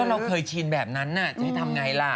เราเคยชินแบบนั้นจะให้ทำไงล่ะ